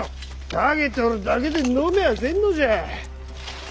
下げとるだけで飲みゃあせんのじゃ。